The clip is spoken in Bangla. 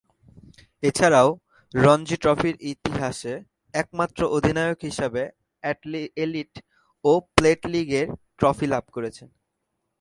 এছাড়াও, রঞ্জী ট্রফির ইতিহাসে একমাত্র অধিনায়ক হিসেবে এলিট ও প্লেট লীগের ট্রফি লাভ করেছেন।